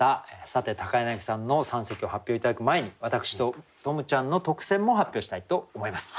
さて柳さんの三席を発表頂く前に私と十夢ちゃんの特選も発表したいと思います。